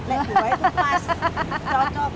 lek dua itu pas